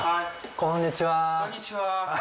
こんにちは。